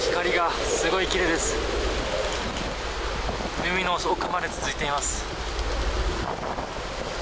海の奥まで続いています。